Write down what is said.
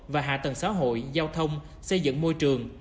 và hạ tầng xã hội giao thông xây dựng môi trường